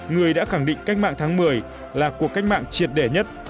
người đã khẳng định cách mạng tháng một mươi là cuộc cách mạng triệt đẻ nhất